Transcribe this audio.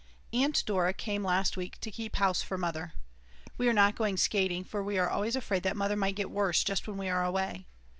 Aunt Dora came last week to keep house for Mother. We are not going skating, for we are always afraid that Mother might get worse just when we are away.